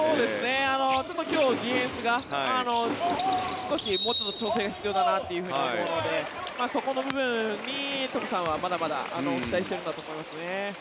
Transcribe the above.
ちょっと今日ディフェンスが、少しもうちょっと調整が必要だなと思うのでそこの部分にトムさんはまだまだ期待しているんだと思いますね。